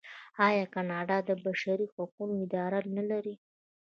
آیا کاناډا د بشري حقونو اداره نلري؟